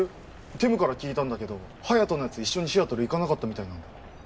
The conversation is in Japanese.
ティムから聞いたんだけど隼人のやつ一緒にシアトル行かなかったみたいなんだよ